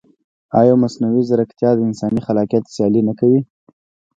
ایا مصنوعي ځیرکتیا د انساني خلاقیت سیالي نه کوي؟